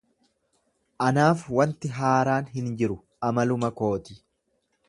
Aanaaf waanti haaraan hin jiru amaluma kooti.